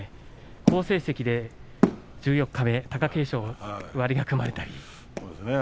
好成績で十四日目貴景勝と割が組まれました。